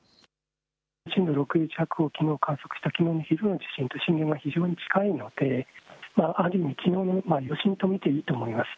震度６弱を観測したきのうの地震と非常に震源が近いのである意味、きのうの余震と見ていいと思います。